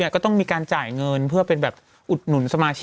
ก็ต้องมีการจ่ายเงินเพื่อเป็นแบบอุดหนุนสมาชิก